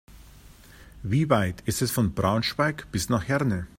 Wie weit ist es von Braunschweig bis nach Herne?